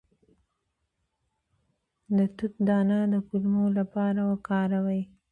د توت دانه د کولمو لپاره وکاروئ